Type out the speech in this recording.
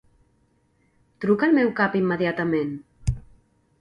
Truca al meu cap immediatament.